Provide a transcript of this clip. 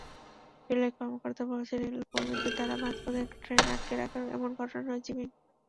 রেলের কর্মকর্তারা বলছেন, রেলের কর্মীদের দ্বারা মাঝপথে ট্রেন আটকে রাখার এমন ঘটনা নজিরবিহীন।